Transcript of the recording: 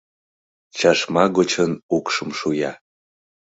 Чашма гочын укшым шуя.